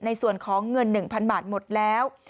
ในส่วนของเงิน๑๐๐๐บาทหมดแล้ว